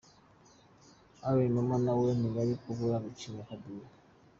Alain Numa nawe ntiyari kubura gucinya akadiho .